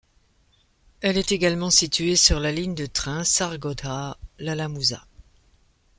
Elle est également située sur la ligne de train Sargodha-Lalamusa.